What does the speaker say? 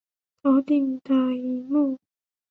头顶的萤幕